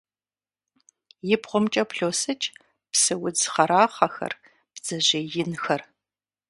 И бгъумкӀэ блосыкӀ псы удз хъэрахъэхэр, бдзэжьей инхэр.